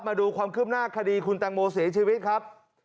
มาดูความคืบหน้าคดีคุณแตงโมเสียชีวิตครับ